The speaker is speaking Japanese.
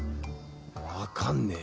わかんねえ